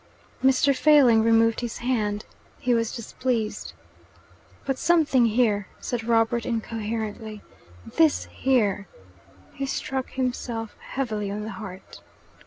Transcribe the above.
Mr. Failing removed his hand. He was displeased. "But something here," said Robert incoherently. "This here." He struck himself heavily on the heart.